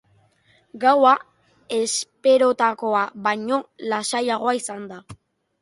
Gaua esperotakoa baino lasaiagoa izan da.